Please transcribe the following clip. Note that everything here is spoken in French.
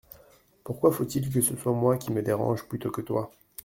Pourquoi faut-il que ce soit moi qui me dérange plutôt que toi ?